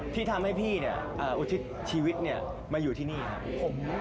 ที่ทำให้พี่เนี่ยอุทิศชีวิตมาอยู่ที่นี่ครับ